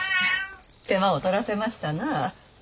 手間を取らせましたなあ。